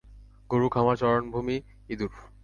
গরু, খামার, চারণভূমি, ইঁদুর।